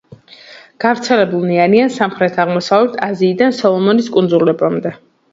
გავრცელებულნი არიან სამხრეთ-აღმოსავლეთ აზიიდან სოლომონის კუნძულებამდე.